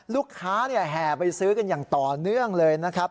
แห่ไปซื้อกันอย่างต่อเนื่องเลยนะครับ